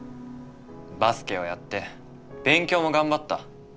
バスケをやって勉強も頑張った。